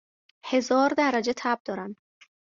هزار درجه تب دارم